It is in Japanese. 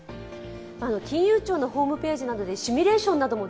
金融庁のホームページなどでシミュレーションなども